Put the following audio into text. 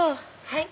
はい？